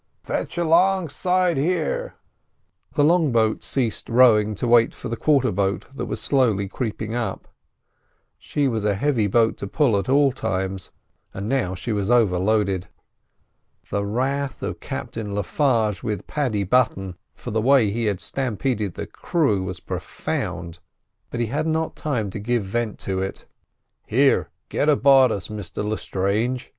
"Fetch alongside here!" The long boat ceased rowing to wait for the quarter boat that was slowly creeping up. She was a heavy boat to pull at all times, and now she was overloaded. The wrath of Captain Le Farge with Paddy Button for the way he had stampeded the crew was profound, but he had not time to give vent to it. "Here, get aboard us, Mr Lestrange!"